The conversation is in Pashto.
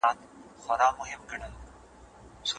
دولتونه نړیوال تعامل کوي.